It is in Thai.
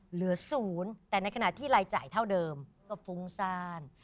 เหลือ๐แต่ในขณะที่รายจ่ายเท่าเดิมก็ฟุ้งซ่าน